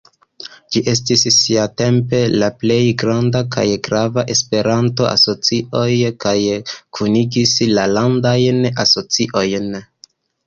Ĝi estis siatempe la plej granda kaj grava Esperanto-asocio, kaj kunigis la Landajn Asociojn.